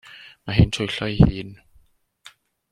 Mae hi'n twyllo ei hun.